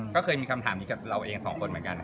ก็เคยมีคำถามนี้กับเราเองสองคนเหมือนกัน